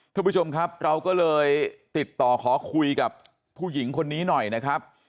ทุกผู้ชมครับเราก็เลยติดต่อขอคุยกับผู้หญิงคนนี้หน่อยนะครับ